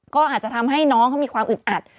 ก็อาจจะทำให้น้องเขามีความอึดอัด